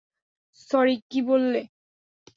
Sorry, কী বললে?